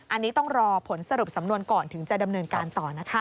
อันนี้ต้องรอผลสรุปสำนวนก่อนถึงจะดำเนินการต่อนะคะ